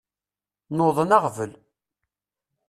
Nuḍen aɣbel.